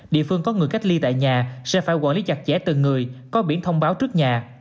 địa phương có người cách ly tại nhà sẽ phải quản lý chặt chẽ từng người có biển thông báo trước nhà